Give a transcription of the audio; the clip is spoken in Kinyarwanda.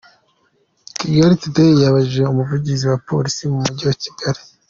Kigali today yabajije Umuvugizi wa Polisi mu mujyi wa Kigali,